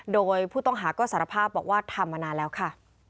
โดยผู้ต้องหาก็สารภาพบอกว่าทำมานานแล้วค่ะ